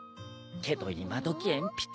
けど今どき鉛筆？